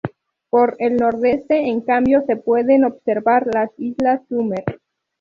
Por el nordeste, en cambio se pueden observar las Islas Summer.